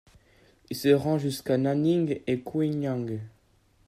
Il se rend jusqu'à Nanning et Kweiyang.